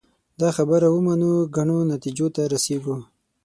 دا خبره ومنو ګڼو نتیجو ته رسېږو